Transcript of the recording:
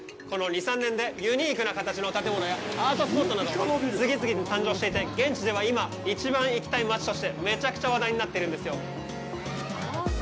この２３年で、ユニークな形の建物やアートスポットなど、次々に誕生していて、現地では今、一番行きたい街としてめちゃくちゃ話題になっているんですよ。